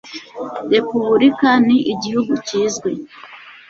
repubulika ni igihugu kizwi